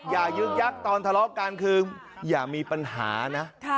ยึกยักษ์ตอนทะเลาะกันคืออย่ามีปัญหานะ